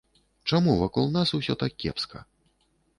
Чаму вакол нас усё так кепска?